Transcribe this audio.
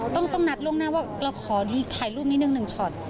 ต้องนัดล่วงหน้าว่าเราขอถ่ายรูปนิดนึง๑ช็อต